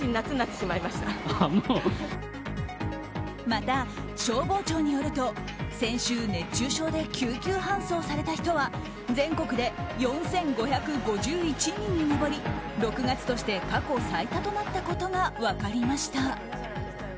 また、消防庁によると先週熱中症で救急搬送された人は全国で４５５１人に上り６月として過去最多となったことが分かりました。